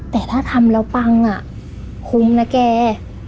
แต่ถ้าทำแล้วปังคุ้มนะแก